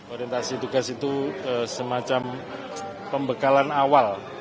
orientasi tugas itu semacam pembekalan awal